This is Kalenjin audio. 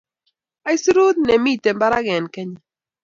isurut nemiten barak en kenya